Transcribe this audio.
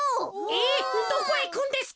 えどこいくんですか？